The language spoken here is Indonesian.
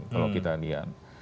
kalau kita lihat